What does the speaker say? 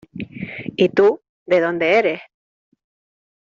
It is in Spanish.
Y tú, ¿de dónde eres?